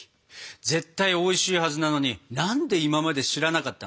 絶対おいしいはずなのに何で今まで知らなかったのか不思議なくらいです。